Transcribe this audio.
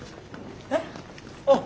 えっ？